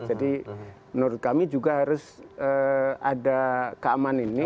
jadi menurut kami juga harus ada keamanan ini